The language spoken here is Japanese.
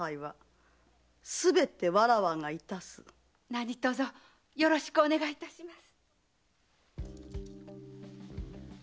なにとぞよろしくお願いいたします。